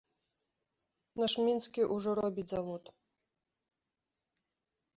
Наш мінскі ўжо робіць завод.